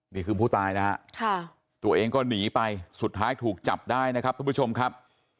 ผู้ตายนะฮะตัวเองก็หนีไปสุดท้ายถูกจับได้นะครับทุกผู้ชมครับ